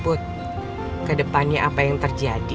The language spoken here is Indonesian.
put ke depannya apa yang terjadi